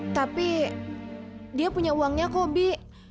tapi dia punya uangnya kok bi